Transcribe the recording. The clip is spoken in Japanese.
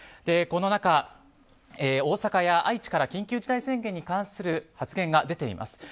この中、大阪や愛知から緊急事態宣言に関する発言が出ています。